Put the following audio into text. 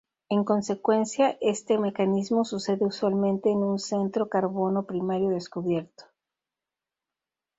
En consecuencia, este mecanismo sucede usualmente en un centro carbono primario descubierto.